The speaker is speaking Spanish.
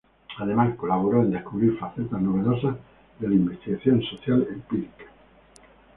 Además, colaboró en descubrir facetas novedosas de la investigación social empírica.